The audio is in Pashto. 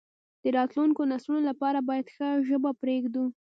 د راتلونکو نسلونو لپاره باید ښه ژبه پریږدو.